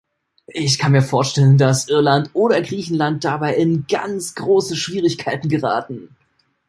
Ich kann mir vorstellen, dass Irland oder Griechenland dabei in ganz große Schwierigkeiten geraten.